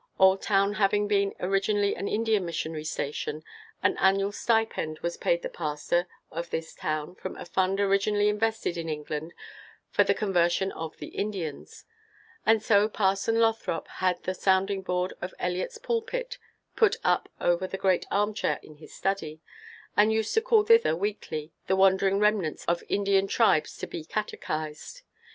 Oldtown having been originally an Indian missionary station, an annual stipend was paid the pastor of this town from a fund originally invested in England for the conversion of the Indians; and so Parson Lothrop had the sounding board of Eliot's pulpit put up over the great armchair in his study, and used to call thither weekly the wandering remnants of Indian tribes to be catechised.